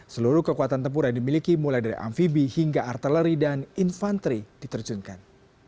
seluruh kekuatan tempur yang dimiliki mulai dari amfibi hingga artileri dan infanteri diterjunkan